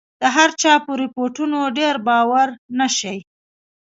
د هرچا په رپوټونو ډېر باور نه شي.